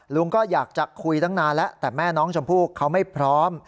ลุงก็อยากจะคุยตั้งนานแล้วแต่แม่น้องชมพู่เขาไม่พร้อม